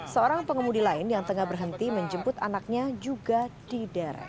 seorang pengemudi lain yang tengah berhenti menjemput anaknya juga di derek